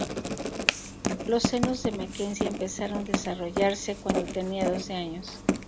Los senos de McKenzie empezaron desarrollarse cuando tenía doce años.